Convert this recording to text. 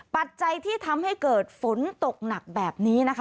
ปัจจัยที่ทำให้เกิดฝนตกหนักแบบนี้นะคะ